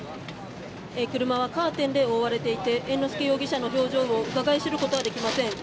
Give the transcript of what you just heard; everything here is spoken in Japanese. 車はカーテンで覆われていて猿之助容疑者の表情をうかがい知ることはできません。